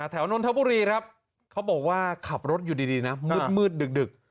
นนทบุรีครับเขาบอกว่าขับรถอยู่ดีนะมืดดึก